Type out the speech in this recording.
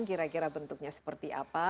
gira gira bentuknya seperti apa